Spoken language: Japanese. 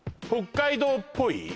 北海道っぽい？